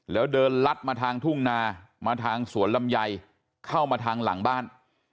แล้วเดินลัดมาทางทุ่งนามาทางสวนลำไยเข้ามาทางหลังบ้าน